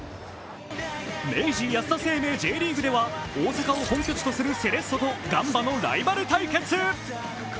明治安田生命Ｊリーグでは大阪を本拠地とするセレッソとガンバのライバル対決。